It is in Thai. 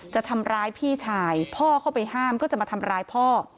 จะทำร้ายพี่ชายพ่อเข้าไปห้ามก็จะมาทำร้ายพ่อ